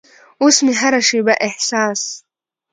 اوس مې هره شیبه احساس